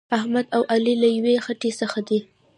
احمد او علي له یوې خټې څخه دي.